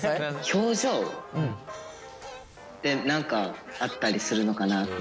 表情って何かあったりするのかなって。